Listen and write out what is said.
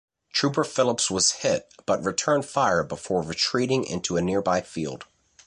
Trooper Phillips was hit but returned fire before retreating into a nearby field.